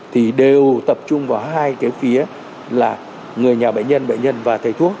thì đều tập trung vào hai cái phía là người nhà bệnh nhân bệnh nhân và thầy thuốc